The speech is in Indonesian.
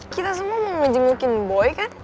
kita semua mau ngejemukin boy kan